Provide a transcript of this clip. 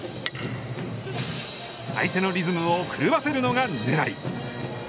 相手のリズムを狂わせるのが狙い。